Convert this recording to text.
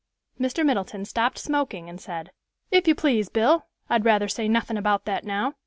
Mr. Middleton stopped smoking and said, "If you please, Bill, I'd rather say nothin' about that now.